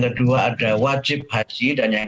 kedua ada wajib haji dan yang